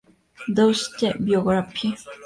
Deutsche Biographie".